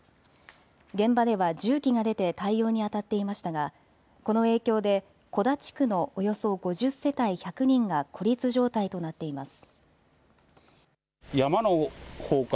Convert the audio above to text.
現場では重機が出て対応にあたっていましたがこの影響で小田地区のおよそ５０世帯１００人が孤立状態となっています。